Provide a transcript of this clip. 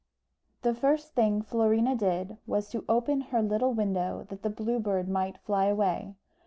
The first thing Florina did was to open her little window that the Blue Bird might fly away.